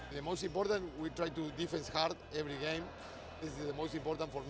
yang paling penting adalah kita mencoba untuk menahan dengan keras setiap pertandingan